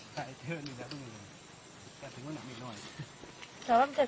เกียรติมากเกียรติทางขาวน่ะ